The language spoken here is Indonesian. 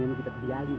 ini kita kebiarin